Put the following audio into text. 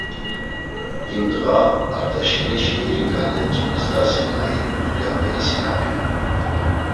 Him ndğa Art̆aşenişi iri ǩale Cibist̆asi na iyu dulyape isinapinu.